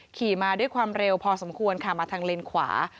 ขี่มาด้วยความเร็วพอสมควรค่ะมาทางเลนขวา